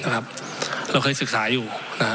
เราเคยศึกษาอยู่